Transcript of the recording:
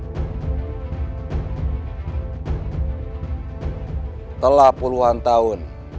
setelah puluhan tahun